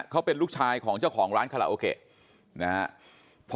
เขาเป็นลูกชายของเจ้าของร้านคาราโอเกะนะครับ